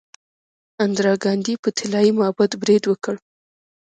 اندرا ګاندي په طلایی معبد برید وکړ.